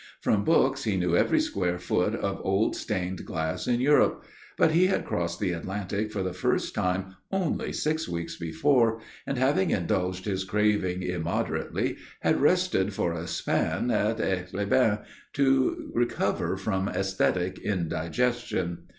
From books he knew every square foot of old stained glass in Europe. But he had crossed the Atlantic for the first time only six weeks before, and having indulged his craving immoderately, had rested for a span at Aix les Bains to recover from æsthetic indigestion.